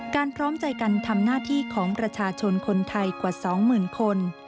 พร้อมใจกันทำหน้าที่ของประชาชนคนไทยกว่า๒๐๐๐คน